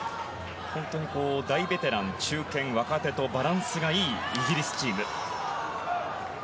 本当に大ベテラン中堅、若手とバランスがいいイギリスチーム。